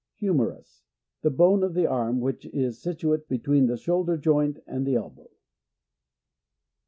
< Humerus. — The bone, of the arm, { which is situate between the shoul 5 der joint and the elbow.